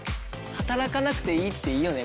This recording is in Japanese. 「働かなくていいっていいよね」